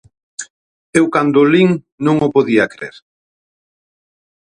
Eu cando o lin non o podía crer.